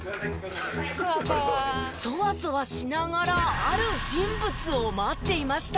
そわそわしながらある人物を待っていました。